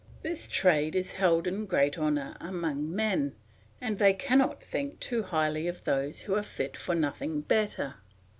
This trade is held in great honour among men, and they cannot think too highly of those who are fit for nothing better.